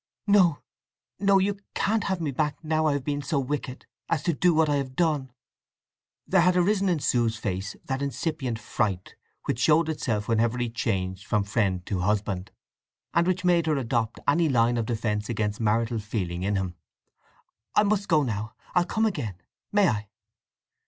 "No, no! You can't have me back now I have been so wicked—as to do what I have done!" There had arisen in Sue's face that incipient fright which showed itself whenever he changed from friend to husband, and which made her adopt any line of defence against marital feeling in him. "I must go now. I'll come again—may I?"